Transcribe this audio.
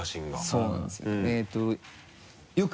そうなんですよ。